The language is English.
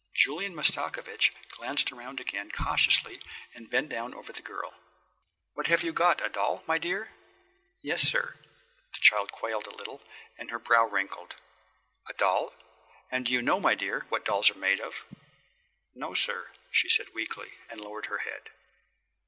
Julian Mastakovich glanced round again cautiously and bent down over the girl. "What have you got, a doll, my dear?" "Yes, sir." The child quailed a little, and her brow wrinkled. "A doll? And do you know, my dear, what dolls are made of?" "No, sir," she said weakly, and lowered her head.